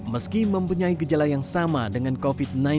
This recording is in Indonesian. meski mempunyai gejala yang sama dengan covid sembilan belas